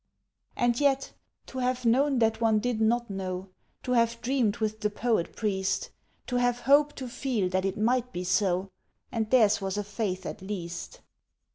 And yet, to have known that one did not know! To have dreamed with the poet priest! To have hope to feel that it might be so! And theirs was a faith at least.